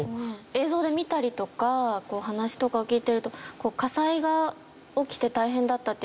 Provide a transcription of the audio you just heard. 映像で見たりとか話とかを聞いてると火災が起きて大変だったって。